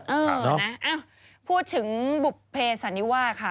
เออนะพูดถึงบุภเพสันนิวาค่ะ